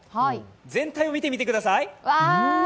全体を見てみてください。